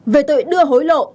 về tội đưa hối lộ